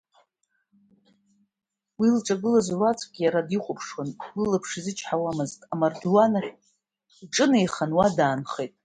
Уи илҿагылаз руаӡә иара дихәаԥшуан, лылаԥш изымчҳазт, амардуан ахь иҿынеихан, уа даанхеит.